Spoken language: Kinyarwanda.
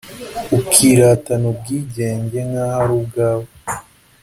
ukiratana ubwigenge nkaho ari ubwawe